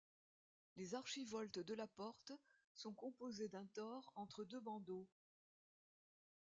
Les archivoltes de la porte sont composées d'un tore entre deux bandeaux.